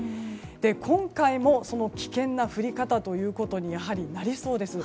今回も危険な降り方ということになりそうです。